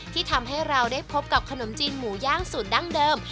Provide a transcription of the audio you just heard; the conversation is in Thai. ที่ทำให้เราได้พบกับขนมจีนหมูย่างสูตรดั้งเดิม